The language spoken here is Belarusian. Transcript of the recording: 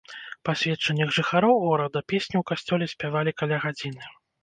Па сведчаннях жыхароў горада, песні ў касцёле спявалі каля гадзіны.